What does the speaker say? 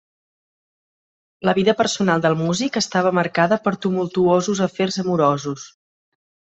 La vida personal del músic estava marcada per tumultuosos afers amorosos.